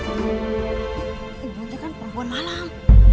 ibu orangnya kan perempuan malang